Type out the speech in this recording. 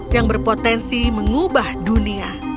yang berpotensi mengubah dunia